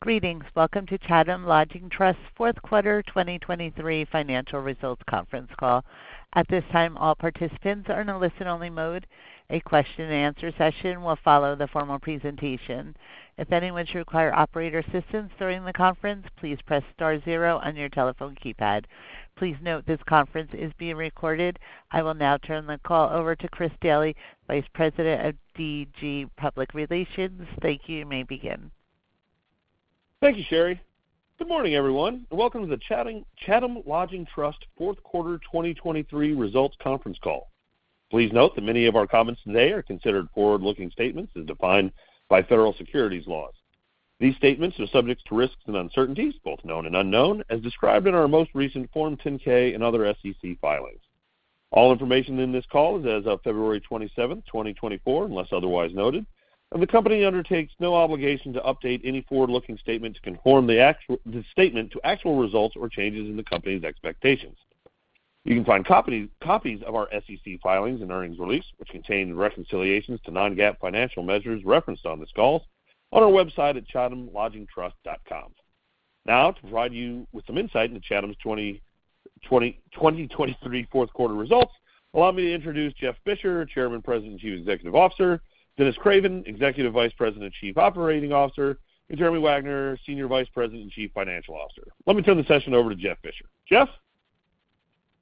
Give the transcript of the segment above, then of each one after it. Greetings. Welcome to Chatham Lodging Trust's fourth quarter 2023 financial results conference call. At this time, all participants are in a listen-only mode. A question-and-answer session will follow the formal presentation. If anyone should require operator assistance during the conference, please press star zero on your telephone keypad. Please note, this conference is being recorded. I will now turn the call over to Chris Daly, Vice President of DG Public Relations. Thank you. You may begin. Thank you, Sherry. Good morning, everyone, and welcome to the Chatham Lodging Trust fourth quarter 2023 results conference call. Please note that many of our comments today are considered forward-looking statements as defined by federal securities laws. These statements are subject to risks and uncertainties, both known and unknown, as described in our most recent Form 10-K and other SEC filings. All information in this call is as of February 27, 2024, unless otherwise noted, and the company undertakes no obligation to update any forward-looking statements to conform the actual, the statement to actual results or changes in the company's expectations. You can find copies of our SEC filings and earnings release, which contain reconciliations to non-GAAP financial measures referenced on this call, on our website at chathamlodgingtrust.com. Now, to provide you with some insight into Chatham's 2020, 2023 fourth quarter results, allow me to introduce Jeff Fisher, Chairman, President, and Chief Executive Officer, Dennis Craven, Executive Vice President and Chief Operating Officer, and Jeremy Wegner, Senior Vice President and Chief Financial Officer. Let me turn the session over to Jeff Fisher. Jeff?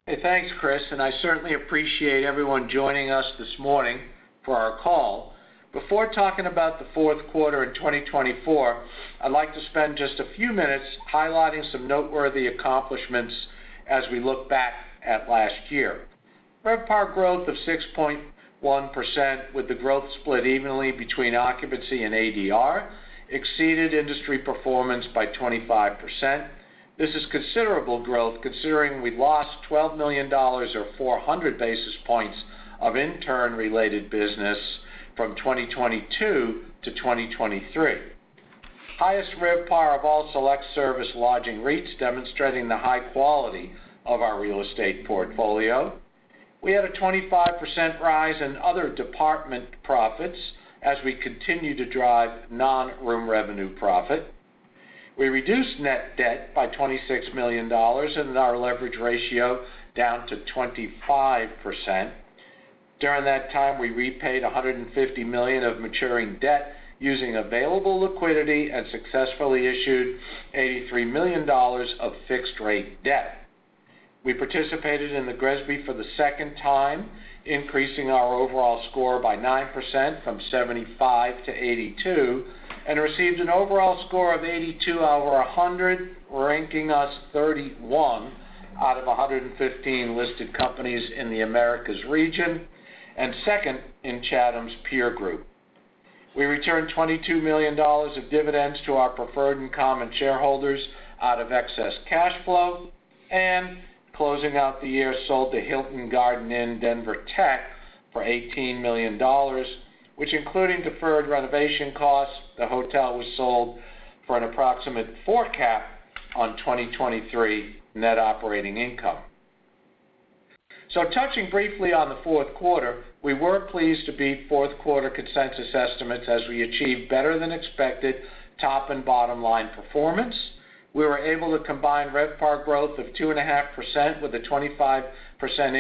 Hey, thanks, Chris, and I certainly appreciate everyone joining us this morning for our call. Before talking about the fourth quarter in 2024, I'd like to spend just a few minutes highlighting some noteworthy accomplishments as we look back at last year. RevPAR growth of 6.1%, with the growth split evenly between occupancy and ADR, exceeded industry performance by 25%. This is considerable growth considering we lost $12 million or 400 basis points of intern-related business from 2022 to 2023. Highest RevPAR of all select service lodging REITs, demonstrating the high quality of our real estate portfolio. We had a 25% rise in other department profits as we continue to drive non-room revenue profit. We reduced net debt by $26 million and our leverage ratio down to 25%. During that time, we repaid $150 million of maturing debt using available liquidity and successfully issued $83 million of fixed-rate debt. We participated in the GRESB for the second time, increasing our overall score by 9% from 75 to 82, and received an overall score of 82 out of 100, ranking us 31 out of 115 listed companies in the Americas region, and second in Chatham's peer group. We returned $22 million of dividends to our preferred and common shareholders out of excess cash flow, and closing out the year, sold the Hilton Garden Inn Denver Tech for $18 million, which, including deferred renovation costs, the hotel was sold for an approximate 4 cap on 2023 net operating income. So touching briefly on the fourth quarter, we were pleased to beat fourth quarter consensus estimates as we achieved better than expected top and bottom line performance. We were able to combine RevPAR growth of 2.5% with a 25%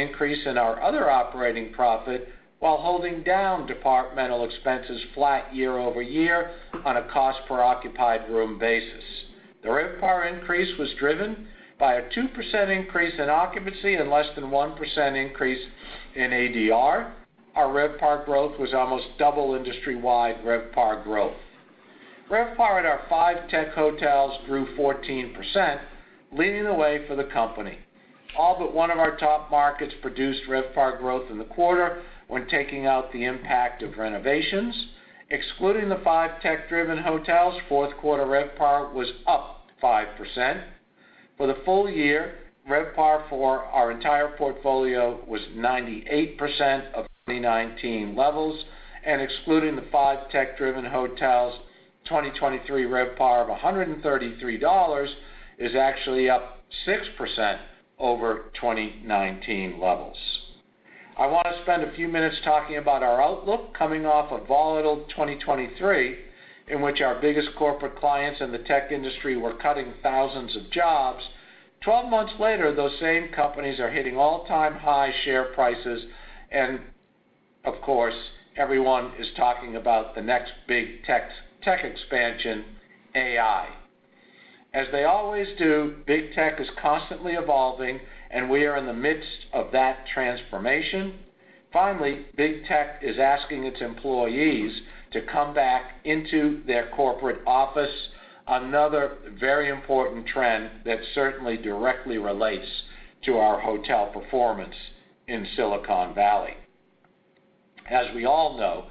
increase in our other operating profit, while holding down departmental expenses flat year-over-year on a cost per occupied room basis. The RevPAR increase was driven by a 2% increase in occupancy and less than 1% increase in ADR. Our RevPAR growth was almost double industry-wide RevPAR growth. RevPAR at our five tech hotels grew 14%, leading the way for the company. All but one of our top markets produced RevPAR growth in the quarter when taking out the impact of renovations. Excluding the five tech-driven hotels, fourth quarter RevPAR was up 5%. For the full year, RevPAR for our entire portfolio was 98% of 2019 levels, and excluding the 5 tech-driven hotels, 2023 RevPAR of $133 is actually up 6% over 2019 levels. I want to spend a few minutes talking about our outlook coming off a volatile 2023, in which our biggest corporate clients in the tech industry were cutting thousands of jobs. 12 months later, those same companies are hitting all-time high share prices, and of course, everyone is talking about the next big tech, tech expansion, AI. As they always do, big tech is constantly evolving, and we are in the midst of that transformation. Finally, big tech is asking its employees to come back into their corporate office, another very important trend that certainly directly relates to our hotel performance in Silicon Valley. As we all know,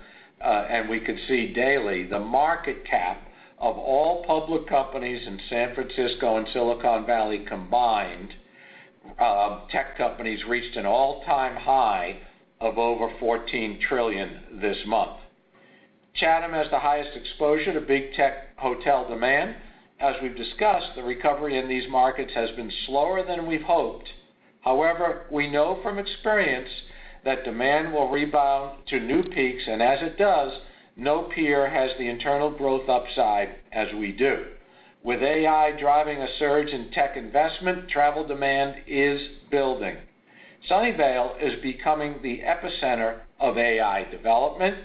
and we can see daily, the market cap of all public companies in San Francisco and Silicon Valley combined, tech companies, reached an all-time high of over $14 trillion this month. Chatham has the highest exposure to big tech hotel demand. As we've discussed, the recovery in these markets has been slower than we've hoped. However, we know from experience that demand will rebound to new peaks, and as it does, no peer has the internal growth upside as we do. With AI driving a surge in tech investment, travel demand is building. Sunnyvale is becoming the epicenter of AI development.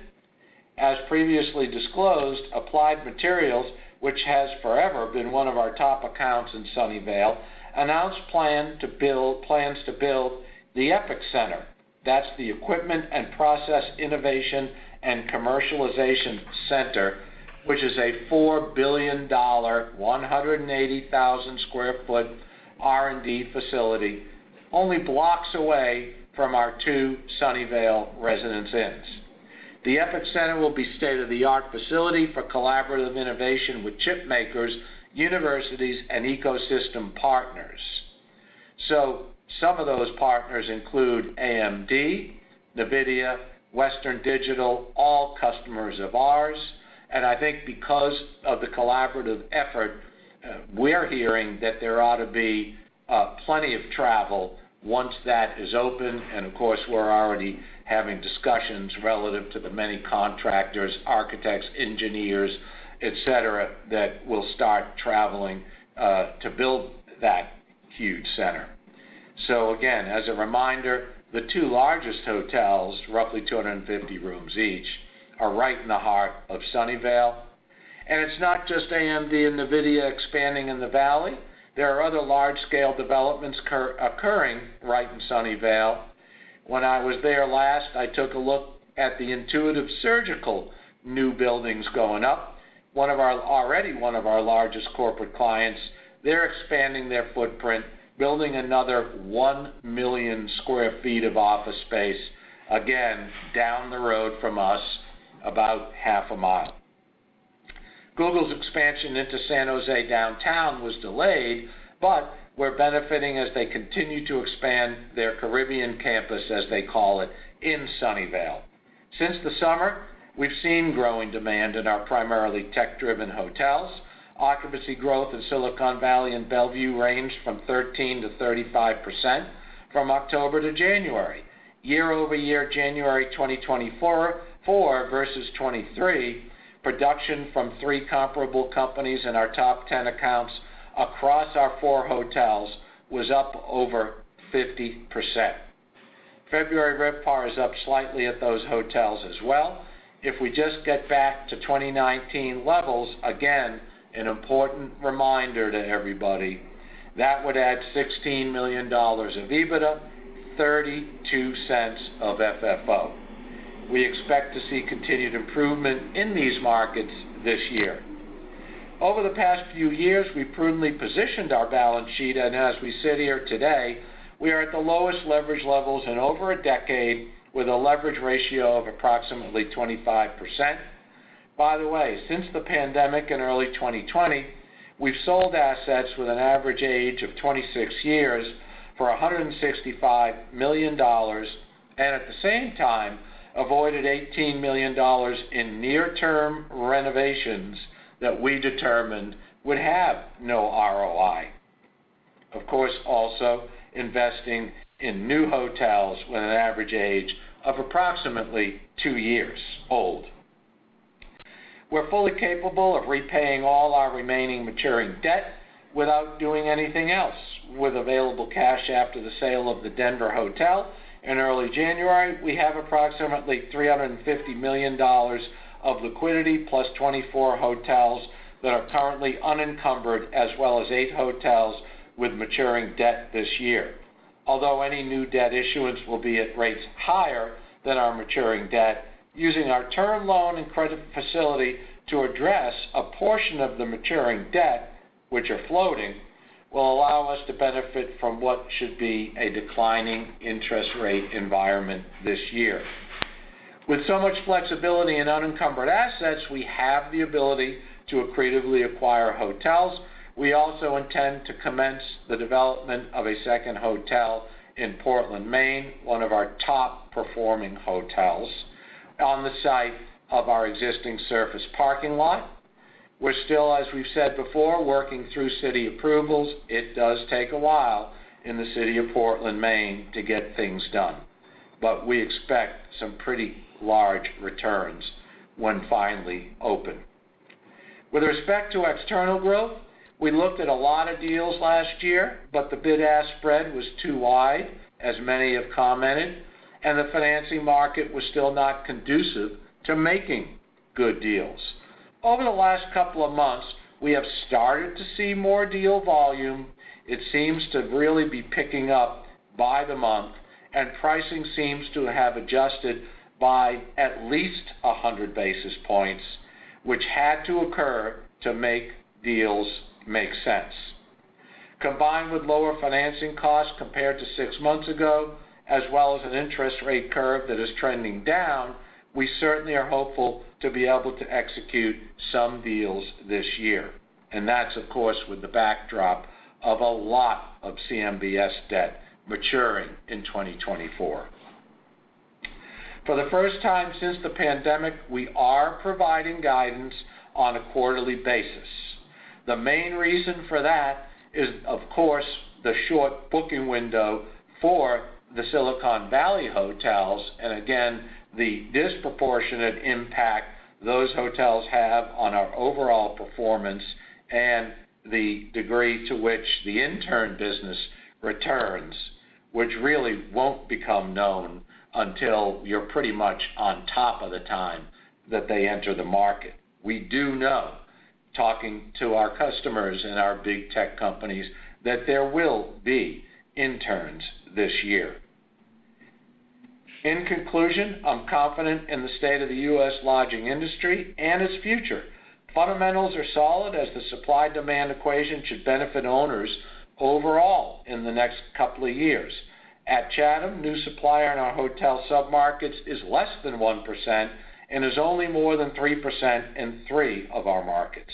As previously disclosed, Applied Materials, which has forever been one of our top accounts in Sunnyvale, announced plans to build the EPIC Center. That's the Equipment and Process Innovation and Commercialization Center, which is a $4 billion, 180,000 sq ft R&D facility, only blocks away from our two Sunnyvale Residence Inns. The EPIC Center will be state-of-the-art facility for collaborative innovation with chip makers, universities, and ecosystem partners. So some of those partners include AMD, NVIDIA, Western Digital, all customers of ours, and I think because of the collaborative effort, we're hearing that there ought to be plenty of travel once that is open, and of course, we're already having discussions relative to the many contractors, architects, engineers, et cetera, that will start traveling to build that huge center. So again, as a reminder, the two largest hotels, roughly 250 rooms each, are right in the heart of Sunnyvale. And it's not just AMD and NVIDIA expanding in the valley. There are other large-scale developments occurring right in Sunnyvale. When I was there last, I took a look at the Intuitive Surgical new buildings going up. One of our already one of our largest corporate clients, they're expanding their footprint, building another 1 million sq ft of office space, again, down the road from us, about half a mile. Google's expansion into San Jose downtown was delayed, but we're benefiting as they continue to expand their Caribbean campus, as they call it, in Sunnyvale. Since the summer, we've seen growing demand in our primarily tech-driven hotels. Occupancy growth in Silicon Valley and Bellevue ranged from 13%-35% from October to January. Year-over-year, January 2024 versus 2023, production from three comparable companies in our top ten accounts across our four hotels was up over 50%. February RevPAR is up slightly at those hotels as well. If we just get back to 2019 levels, again, an important reminder to everybody, that would add $16 million of EBITDA, $0.32 of FFO. We expect to see continued improvement in these markets this year. Over the past few years, we've prudently positioned our balance sheet, and as we sit here today, we are at the lowest leverage levels in over a decade, with a leverage ratio of approximately 25%. By the way, since the pandemic in early 2020, we've sold assets with an average age of 26 years for $165 million, and at the same time, avoided $18 million in near-term renovations that we determined would have no ROI. Of course, also investing in new hotels with an average age of approximately 2 years old. We're fully capable of repaying all our remaining maturing debt without doing anything else. With available cash after the sale of the Denver hotel in early January, we have approximately $350 million of liquidity, plus 24 hotels that are currently unencumbered, as well as 8 hotels with maturing debt this year. Although any new debt issuance will be at rates higher than our maturing debt, using our term loan and credit facility to address a portion of the maturing debt, which are floating, will allow us to benefit from what should be a declining interest rate environment this year. With so much flexibility in unencumbered assets, we have the ability to creatively acquire hotels. We also intend to commence the development of a second hotel in Portland, Maine, one of our top-performing hotels, on the site of our existing surface parking lot. We're still, as we've said before, working through city approvals. It does take a while in the city of Portland, Maine, to get things done, but we expect some pretty large returns when finally open. With respect to external growth, we looked at a lot of deals last year, but the bid-ask spread was too wide, as many have commented, and the financing market was still not conducive to making good deals. Over the last couple of months, we have started to see more deal volume. It seems to really be picking up by the month, and pricing seems to have adjusted by at least 100 basis points, which had to occur to make deals make sense. Combined with lower financing costs compared to six months ago, as well as an interest rate curve that is trending down, we certainly are hopeful to be able to execute some deals this year, and that's, of course, with the backdrop of a lot of CMBS debt maturing in 2024... For the first time since the pandemic, we are providing guidance on a quarterly basis. The main reason for that is, of course, the short booking window for the Silicon Valley hotels, and again, the disproportionate impact those hotels have on our overall performance and the degree to which the intern business returns, which really won't become known until you're pretty much on top of the time that they enter the market. We do know, talking to our customers and our big tech companies, that there will be interns this year. In conclusion, I'm confident in the state of the U.S. lodging industry and its future. Fundamentals are solid as the supply-demand equation should benefit owners overall in the next couple of years. At Chatham, new supply in our hotel submarkets is less than 1% and is only more than 3% in three of our markets.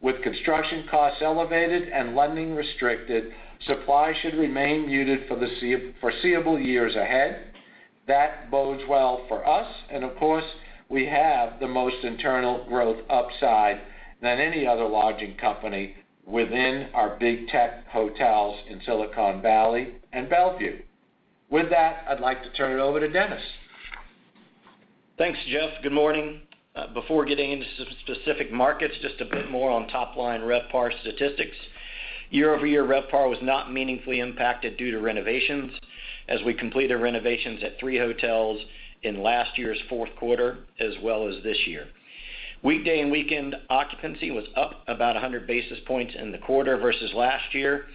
With construction costs elevated and lending restricted, supply should remain muted for the foreseeable years ahead. That bodes well for us, and of course, we have the most internal growth upside than any other lodging company within our big tech hotels in Silicon Valley and Bellevue. With that, I'd like to turn it over to Dennis. Thanks, Jeff. Good morning. Before getting into specific markets, just a bit more on top-line RevPAR statistics. Year-over-year RevPAR was not meaningfully impacted due to renovations, as we completed renovations at three hotels in last year's fourth quarter, as well as this year. Weekday and weekend occupancy was up about 100 basis points in the quarter versus last year,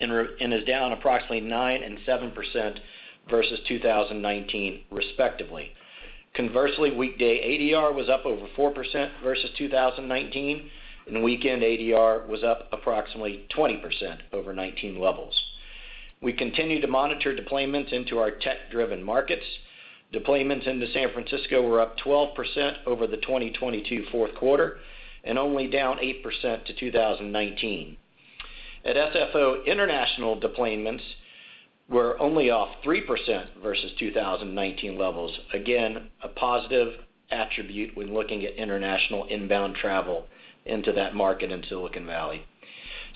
and RevPAR is down approximately 9% and 7% versus 2019, respectively. Conversely, weekday ADR was up over 4% versus 2019, and weekend ADR was up approximately 20% over 2019 levels. We continue to monitor deplanements into our tech-driven markets. Deplanements into San Francisco were up 12% over the 2022 fourth quarter, and only down 8% to 2019. At SFO, international deplanements were only off 3% versus 2019 levels. Again, a positive attribute when looking at international inbound travel into that market in Silicon Valley.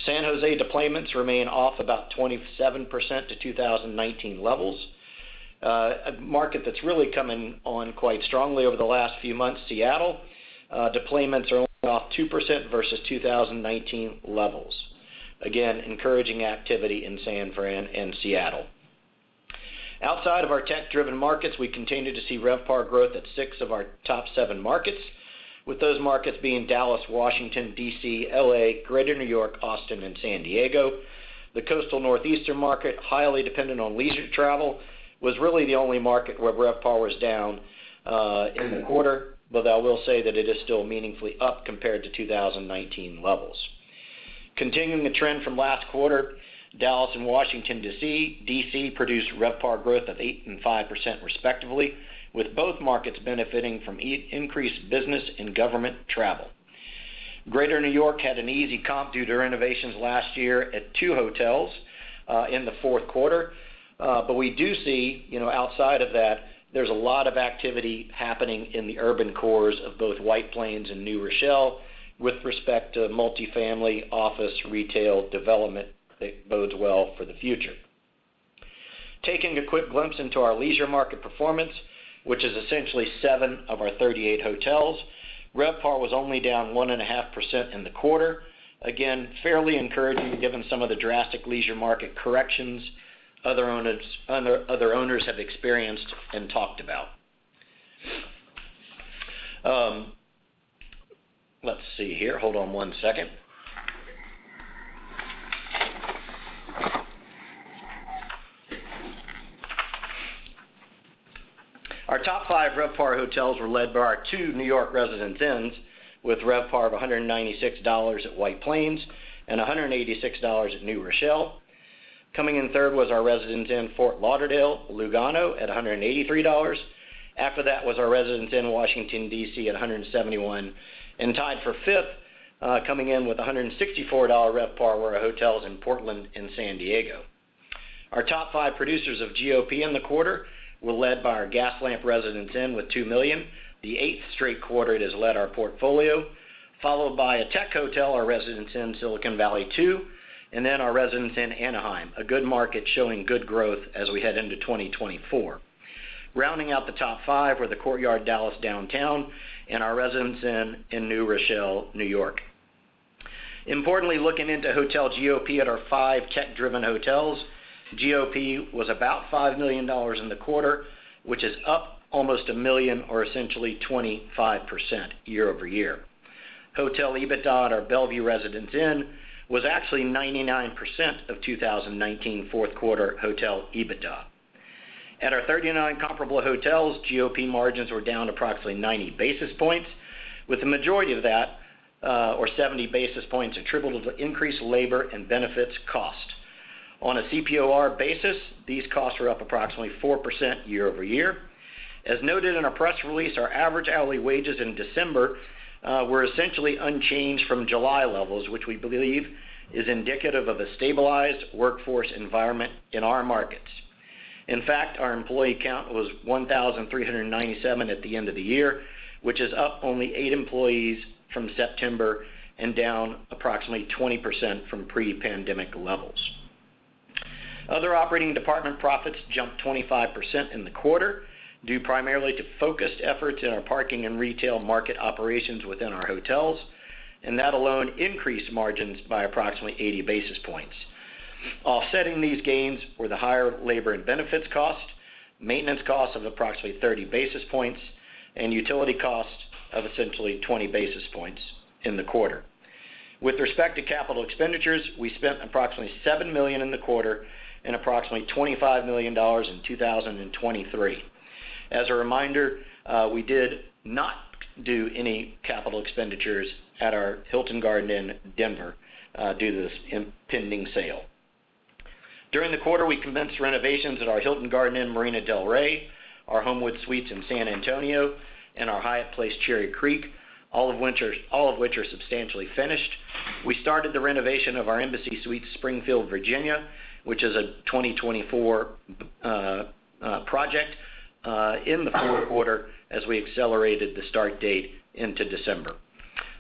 San Jose deplanements remain off about 27% to 2019 levels. A market that's really coming on quite strongly over the last few months, Seattle, deplanements are only off 2% versus 2019 levels. Again, encouraging activity in San Fran and Seattle. Outside of our tech-driven markets, we continued to see RevPAR growth at six of our top seven markets, with those markets being Dallas, Washington, D.C., L.A., Greater New York, Austin, and San Diego. The coastal Northeastern market, highly dependent on leisure travel, was really the only market where RevPAR was down, in the quarter, but I will say that it is still meaningfully up compared to 2019 levels. Continuing the trend from last quarter, Dallas and Washington, D.C. produced RevPAR growth of 8% and 5%, respectively, with both markets benefiting from increased business and government travel. Greater New York had an easy comp due to renovations last year at two hotels in the fourth quarter. But we do see, you know, outside of that, there's a lot of activity happening in the urban cores of both White Plains and New Rochelle with respect to multifamily, office, retail development that bodes well for the future. Taking a quick glimpse into our leisure market performance, which is essentially 7 of our 38 hotels, RevPAR was only down 1.5% in the quarter. Again, fairly encouraging, given some of the drastic leisure market corrections other owners have experienced and talked about. Let's see here. Hold on one second. Our top five RevPAR hotels were led by our two New York Residence Inn, with RevPAR of $196 at White Plains and $186 at New Rochelle. Coming in third was our Residence Inn, Fort Lauderdale, Il Lugano, at $183. After that was our Residence Inn, Washington, D.C., at $171. And tied for fifth, coming in with $164 RevPAR, were our hotels in Portland and San Diego. Our top five producers of GOP in the quarter were led by our Gaslamp Residence Inn, with $2 million, the eighth straight quarter it has led our portfolio, followed by a tech hotel, our Residence Inn, Silicon Valley 2, and then our Residence Inn, Anaheim, a good market showing good growth as we head into 2024. Rounding out the top five were the Courtyard Dallas Downtown and our Residence Inn in New Rochelle, New York. Importantly, looking into hotel GOP at our five tech-driven hotels, GOP was about $5 million in the quarter, which is up almost $1 million or essentially 25% year-over-year. Hotel EBITDA at our Bellevue Residence Inn was actually 99% of 2019 fourth quarter hotel EBITDA. At our 39 comparable hotels, GOP margins were down approximately 90 basis points, with the majority of that, or 70 basis points, attributable to increased labor and benefits cost. On a CPOR basis, these costs were up approximately 4% year-over-year. As noted in our press release, our average hourly wages in December were essentially unchanged from July levels, which we believe is indicative of a stabilized workforce environment in our markets. In fact, our employee count was 1,397 at the end of the year, which is up only eight employees from September and down approximately 20% from pre-pandemic levels. Other operating department profits jumped 25% in the quarter, due primarily to focused efforts in our parking and retail market operations within our hotels, and that alone increased margins by approximately 80 basis points. Offsetting these gains were the higher labor and benefits costs, maintenance costs of approximately 30 basis points, and utility costs of essentially 20 basis points in the quarter. With respect to capital expenditures, we spent approximately $7 million in the quarter and approximately $25 million in 2023. As a reminder, we did not do any capital expenditures at our Hilton Garden Inn, Denver, due to this impending sale. During the quarter, we commenced renovations at our Hilton Garden Inn Marina del Rey, our Homewood Suites San Antonio, and our Hyatt Place Cherry Creek, all of which are substantially finished. We started the renovation of our Embassy Suites Springfield, Virginia, which is a 2024 project in the fourth quarter as we accelerated the start date into December.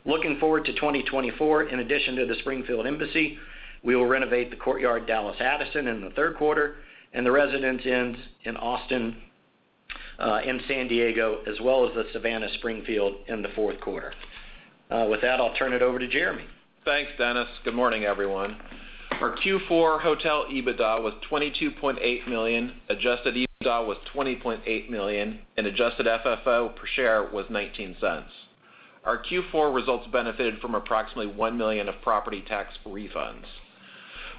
Looking forward to 2024, in addition to the Springfield Embassy, we will renovate the Courtyard Dallas Addison in the third quarter and the Residence Inn in Austin and San Diego, as well as the SpringHill Suites Savannah in the fourth quarter. With that, I'll turn it over to Jeremy. Thanks, Dennis. Good morning, everyone. Our Q4 hotel EBITDA was $22.8 million, adjusted EBITDA was $20.8 million, and adjusted FFO per share was $0.19. Our Q4 results benefited from approximately $1 million of property tax refunds.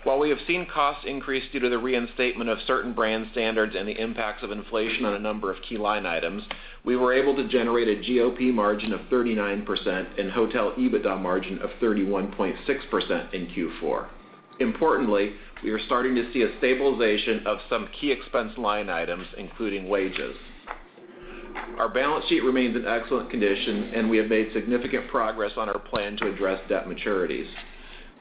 While we have seen costs increase due to the reinstatement of certain brand standards and the impacts of inflation on a number of key line items, we were able to generate a GOP margin of 39% and hotel EBITDA margin of 31.6% in Q4. Importantly, we are starting to see a stabilization of some key expense line items, including wages. Our balance sheet remains in excellent condition, and we have made significant progress on our plan to address debt maturities.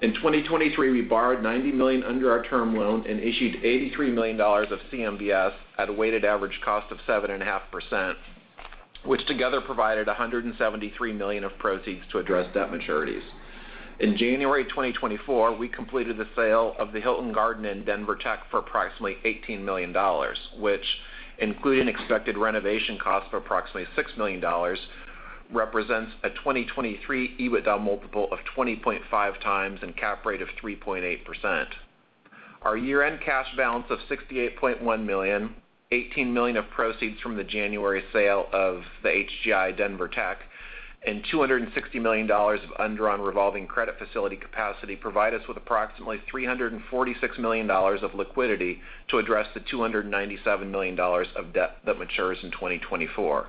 In 2023, we borrowed $90 million under our term loan and issued $83 million of CMBS at a weighted average cost of 7.5%, which together provided $173 million of proceeds to address debt maturities. In January 2024, we completed the sale of the Hilton Garden Inn Denver Tech for approximately $18 million, which, including expected renovation costs of approximately $6 million, represents a 2023 EBITDA multiple of 20.5x and cap rate of 3.8%. Our year-end cash balance of $68.1 million, $18 million of proceeds from the January sale of the HGI Denver Tech, and $260 million of undrawn revolving credit facility capacity provide us with approximately $346 million of liquidity to address the $297 million of debt that matures in 2024.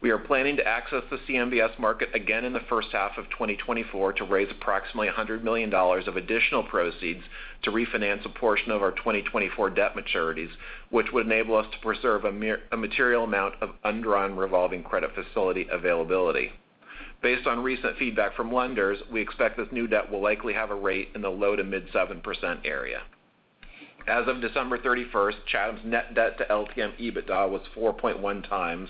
We are planning to access the CMBS market again in the first half of 2024 to raise approximately $100 million of additional proceeds to refinance a portion of our 2024 debt maturities, which would enable us to preserve a material amount of undrawn revolving credit facility availability. Based on recent feedback from lenders, we expect this new debt will likely have a rate in the low-to-mid 7% area. As of December 31st, Chatham's net debt to LTM EBITDA was 4.1x,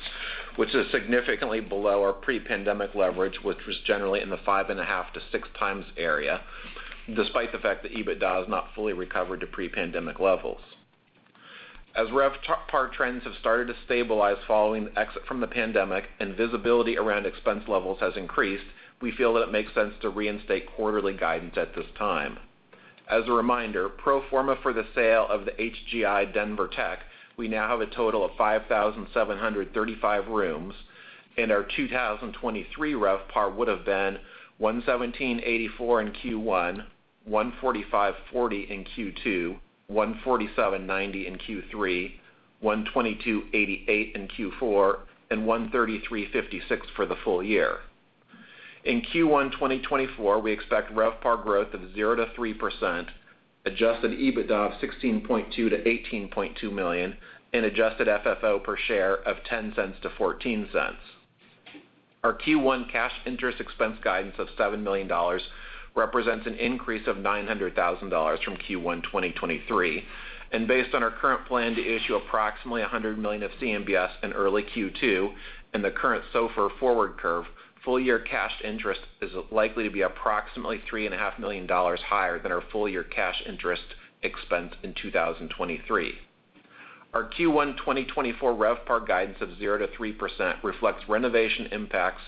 which is significantly below our pre-pandemic leverage, which was generally in the 5.5-6x area, despite the fact that EBITDA has not fully recovered to pre-pandemic levels. As RevPAR trends have started to stabilize following the exit from the pandemic and visibility around expense levels has increased, we feel that it makes sense to reinstate quarterly guidance at this time. As a reminder, pro forma for the sale of the HGI Denver Tech, we now have a total of 5,735 rooms, and our 2023 RevPAR would have been $117.84 in Q1, $145.40 in Q2, $147.90 in Q3, $122.88 in Q4, and $133.56 for the full year. In Q1 2024, we expect RevPAR growth of 0%-3%, adjusted EBITDA of $16.2 million-$18.2 million, and adjusted FFO per share of $0.10-$0.14. Our Q1 cash interest expense guidance of $7 million represents an increase of $900,000 from Q1 2023. Based on our current plan to issue approximately $100 million of CMBS in early Q2 and the current SOFR forward curve, full-year cash interest is likely to be approximately $3.5 million higher than our full-year cash interest expense in 2023. Our Q1 2024 RevPAR guidance of 0%-3% reflects renovation impacts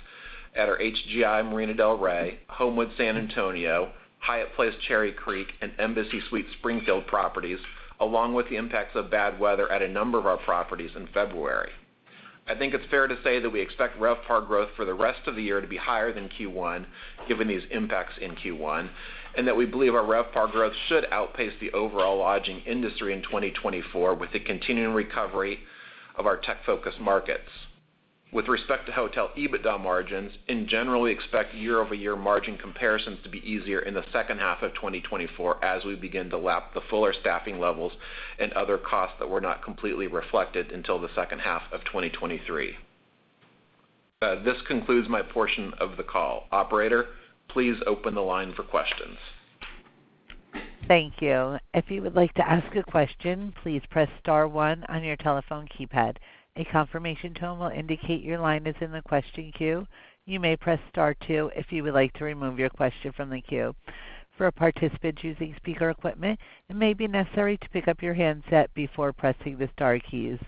at our HGI Marina del Rey, Homewood San Antonio, Hyatt Place Cherry Creek, and Embassy Suites Springfield properties, along with the impacts of bad weather at a number of our properties in February. I think it's fair to say that we expect RevPAR growth for the rest of the year to be higher than Q1, given these impacts in Q1, and that we believe our RevPAR growth should outpace the overall lodging industry in 2024, with the continuing recovery of our tech-focused markets. With respect to hotel EBITDA margins, in general, we expect year-over-year margin comparisons to be easier in the second half of 2024 as we begin to lap the fuller staffing levels and other costs that were not completely reflected until the second half of 2023. This concludes my portion of the call. Operator, please open the line for questions. Thank you. If you would like to ask a question, please press star one on your telephone keypad. A confirmation tone will indicate your line is in the question queue. You may press star two if you would like to remove your question from the queue. For participants using speaker equipment, it may be necessary to pick up your handset before pressing the star keys.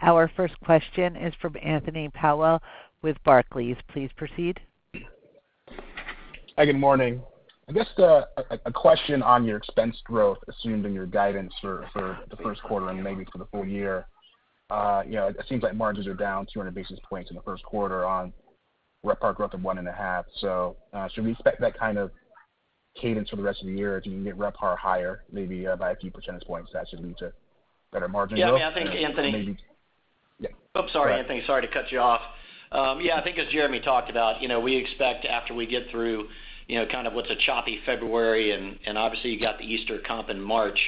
Our first question is from Anthony Powell with Barclays. Please proceed. Hi, good morning. I guess a question on your expense growth assumed in your guidance for the first quarter and maybe for the full year. You know, it seems like margins are down 200 basis points in the first quarter on RevPAR growth of 1.5. So, should we expect that kind of cadence for the rest of the year? Do you need RevPAR higher, maybe by a few percentage points, that should lead to better margin growth? Yeah, I think, Anthony- Yeah. Oops, sorry, Anthony. Sorry to cut you off. Yeah, I think as Jeremy talked about, you know, we expect after we get through, you know, kind of what's a choppy February, and, and obviously, you got the Easter comp in March,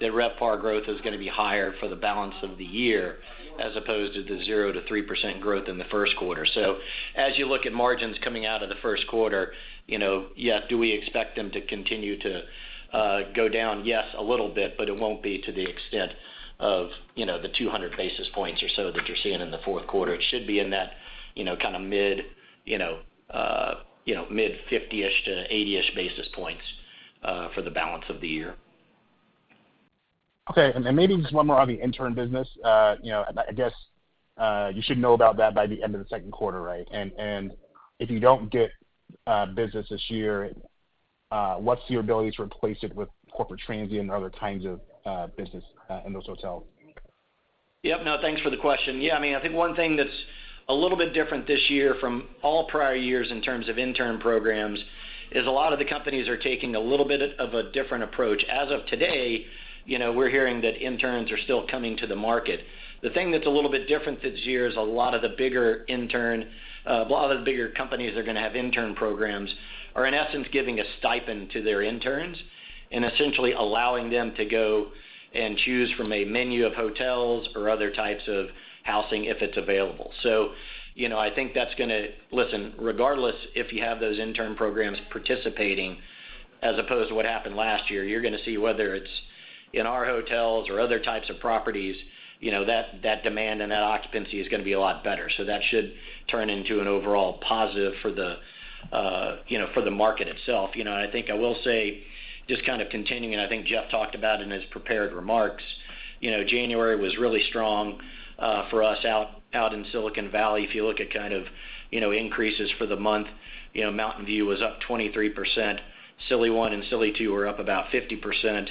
that RevPAR growth is going to be higher for the balance of the year, as opposed to the 0%-3% growth in the first quarter. So as you look at margins coming out of the first quarter, you know, yeah, do we expect them to continue to go down? Yes, a little bit, but it won't be to the extent of, you know, the 200 basis points or so that you're seeing in the fourth quarter. It should be in that, you know, kind of mid, you know, mid-50s to 80s basis points, for the balance of the year. Okay. And then maybe just one more on the intern business. You know, I guess you should know about that by the end of the second quarter, right? And if you don't get business this year, what's your ability to replace it with corporate transient or other kinds of business in those hotels? Yep. No, thanks for the question. Yeah, I mean, I think one thing that's a little bit different this year from all prior years in terms of intern programs, is a lot of the companies are taking a little bit of a different approach. As of today, you know, we're hearing that interns are still coming to the market. The thing that's a little bit different this year is a lot of the bigger intern, a lot of the bigger companies are going to have intern programs, are, in essence, giving a stipend to their interns and essentially allowing them to go and choose from a menu of hotels or other types of housing, if it's available. So, you know, I think that's going. Listen, regardless if you have those intern programs participating, as opposed to what happened last year, you're going to see whether it's in our hotels or other types of properties, you know, that, that demand and that occupancy is going to be a lot better. So that should turn into an overall positive for the, you know, for the market itself. You know, and I think I will say, just kind of continuing, and I think Jeff talked about in his prepared remarks, you know, January was really strong, for us out in Silicon Valley. If you look at kind of, you know, increases for the month, you know, Mountain View was up 23%. Sunny One and Sunny Two were up about 50%.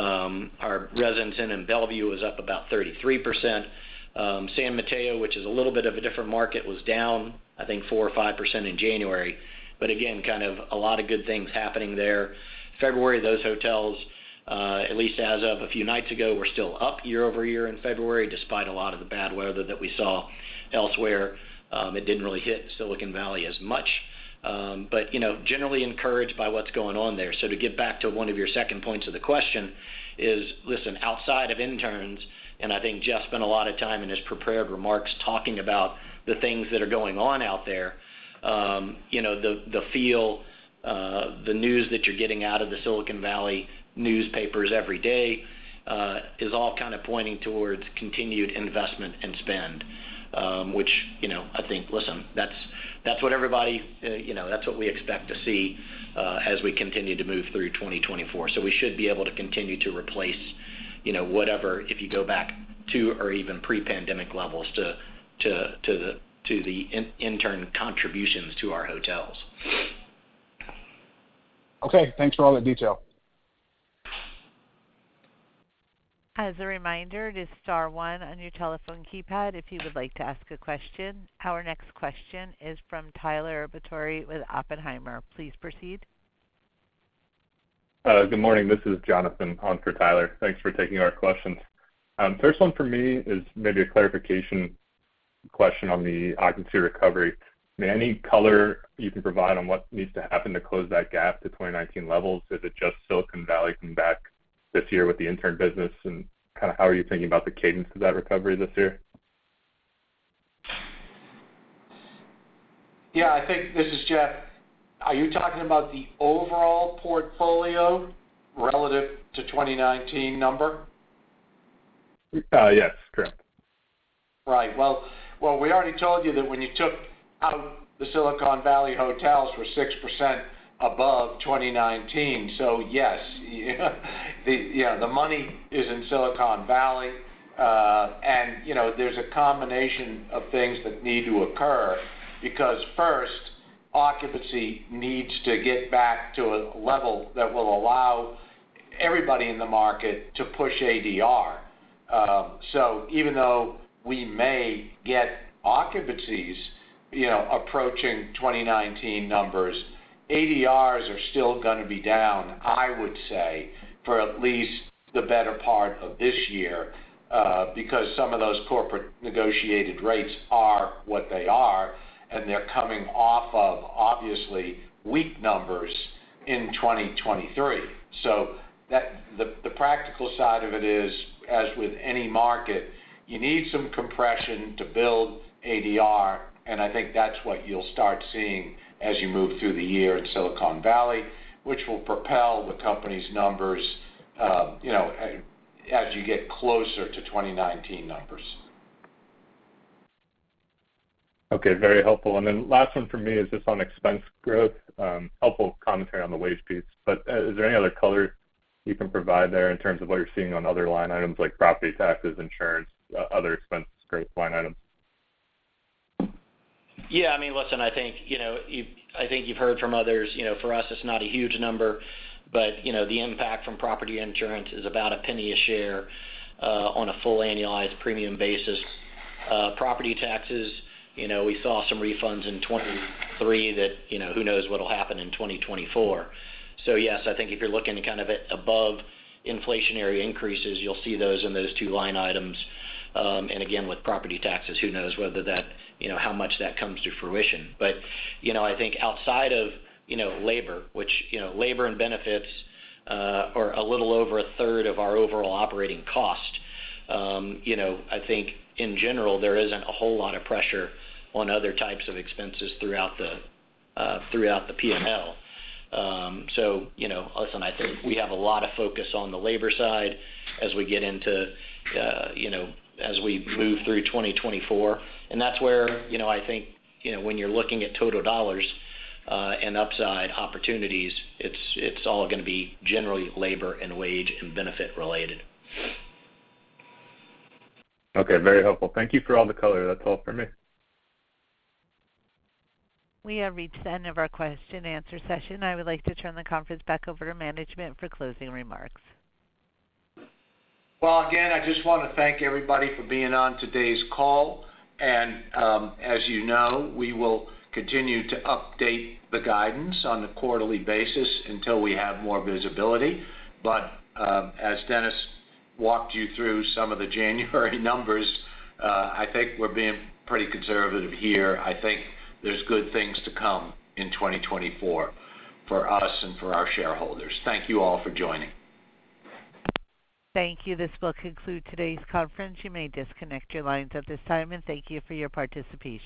Our Residence Inn in Bellevue was up about 33%. San Mateo, which is a little bit of a different market, was down, I think, 4% or 5% in January. But again, kind of a lot of good things happening there. February, those hotels, at least as of a few nights ago, were still up year-over-year in February, despite a lot of the bad weather that we saw elsewhere. It didn't really hit Silicon Valley as much, but, you know, generally encouraged by what's going on there. So to get back to one of your second points of the question is, listen, outside of interns, and I think Jeff spent a lot of time in his prepared remarks, talking about the things that are going on out there. You know, the feel, the news that you're getting out of the Silicon Valley newspapers every day is all kind of pointing towards continued investment and spend, which, you know, I think, listen, that's what everybody, you know, that's what we expect to see as we continue to move through 2024. So we should be able to continue to replace, you know, whatever, if you go back to or even pre-pandemic levels, to the internal contributions to our hotels. Okay, thanks for all the detail. As a reminder, it is star one on your telephone keypad if you would like to ask a question. Our next question is from Tyler Batory with Oppenheimer. Please proceed. Good morning, this is Jonathan on for Tyler. Thanks for taking our questions. First one for me is maybe a clarification question on the occupancy recovery. I mean, any color you can provide on what needs to happen to close that gap to 2019 levels? Is it just Silicon Valley coming back this year with the intern business? And kind of how are you thinking about the cadence of that recovery this year? Yeah, I think this is Jeff. Are you talking about the overall portfolio relative to 2019 number? Yes, correct. Right. Well, we already told you that when you took out the Silicon Valley hotels were 6% above 2019, so yes, yeah, the money is in Silicon Valley. And, you know, there's a combination of things that need to occur, because first, occupancy needs to get back to a level that will allow everybody in the market to push ADR. So even though we may get occupancies, you know, approaching 2019 numbers, ADRs are still going to be down, I would say, for at least the better part of this year, because some of those corporate negotiated rates are what they are... and they're coming off of obviously weak numbers in 2023. So that the practical side of it is, as with any market, you need some compression to build ADR, and I think that's what you'll start seeing as you move through the year in Silicon Valley, which will propel the company's numbers, you know, as you get closer to 2019 numbers. Okay, very helpful. And then last one for me is just on expense growth. Helpful commentary on the wage piece, but is there any other color you can provide there in terms of what you're seeing on other line items like property taxes, insurance, other expense growth line items? Yeah, I mean, listen, I think, you know, you've heard from others, you know, for us, it's not a huge number, but, you know, the impact from property insurance is about $0.01 per share on a full annualized premium basis. Property taxes, you know, we saw some refunds in 2023 that, you know, who knows what'll happen in 2024. So yes, I think if you're looking kind of at above inflationary increases, you'll see those in those two line items. And again, with property taxes, who knows whether that, you know, how much that comes to fruition. But, you know, I think outside of, you know, labor, which, you know, labor and benefits, are a little over a third of our overall operating cost, you know, I think in general, there isn't a whole lot of pressure on other types of expenses throughout the, throughout the P&L. So, you know, listen, I think we have a lot of focus on the labor side as we get into, you know, as we move through 2024. And that's where, you know, I think, you know, when you're looking at total dollars, and upside opportunities, it's, it's all gonna be generally labor and wage, and benefit related. Okay, very helpful. Thank you for all the color. That's all for me. We have reached the end of our question and answer session. I would like to turn the conference back over to management for closing remarks. Well, again, I just want to thank everybody for being on today's call. And, as you know, we will continue to update the guidance on a quarterly basis until we have more visibility. But, as Dennis walked you through some of the January numbers, I think we're being pretty conservative here. I think there's good things to come in 2024 for us and for our shareholders. Thank you all for joining. Thank you. This will conclude today's conference. You may disconnect your lines at this time, and thank you for your participation.